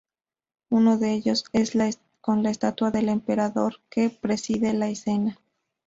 Uno de ellos con la estatua del emperador que preside la escena.